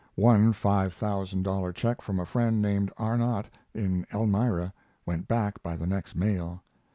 One five thousand dollar check from a friend named Arnot, in Elmira, went back by the next mail.